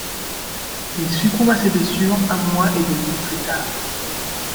Il succombe à ses blessures un mois et demi plus tard.